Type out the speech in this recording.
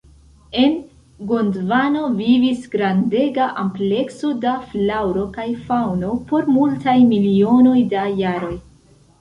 En Gondvano vivis grandega amplekso da flaŭro kaj faŭno por multaj milionoj da jaroj.